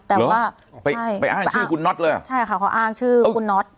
แต่ว่าไปอ้างชื่อคุณน็อตเลยเหรอใช่ค่ะเขาอ้างชื่อคุณน็อต